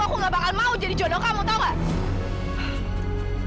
aku nggak bakal mau jadi jodoh kamu tau gak